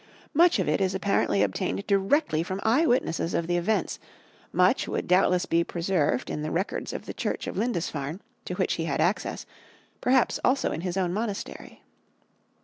Much of it is apparently obtained directly from eye witnesses of the events, much would doubtless be preserved in the records of the Church of Lindisfarne, to which he had access, perhaps also in his own monastery.